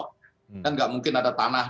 kan nggak mungkin ada tanah